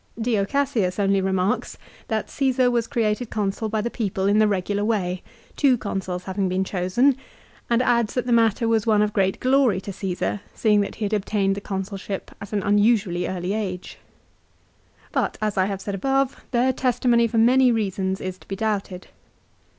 1 Dio Cassius only remarks that Csesar was created Consul by the people in the regular way, two Consuls having been chosen, and adds that the matter was one of great glory to Ccesar, seeing that he had obtained the Consulship at an unusually early age. 2 But as I have said above their testimony for many reasons is to be doubted.